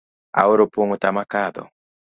Aora opong' otama kadho